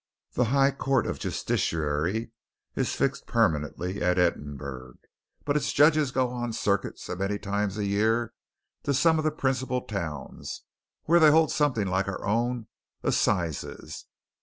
The High Court of Justiciary is fixed permanently at Edinburgh, but its judges go on circuit so many times a year to some of the principal towns, where they hold something like our own assizes.